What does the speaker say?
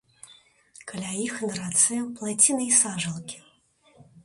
Каля іх на рацэ плаціны і сажалкі.